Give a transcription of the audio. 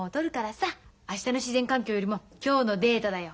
明日の自然環境よりも今日のデートだよ。